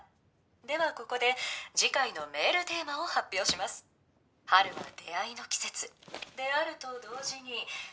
「ではここで次回のメールテーマを発表します」「春は出会いの季節であると同時に別れの季節ですよね」